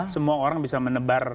semua orang bisa menebar